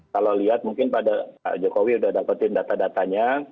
kalau lihat mungkin pada pak jokowi sudah dapetin data datanya